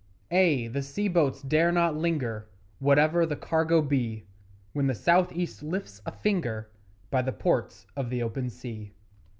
Ay, the sea boats dare not linger, Whatever the cargo be; When the South east lifts a finger By the Ports of the Open Sea.